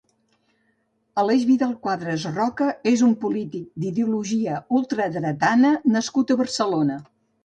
Aleix Vidal-Quadras Roca és un polític d'ideologia d'ultradreta nascut a Barcelona.